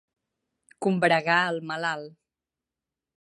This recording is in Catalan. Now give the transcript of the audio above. Combregar al malalt.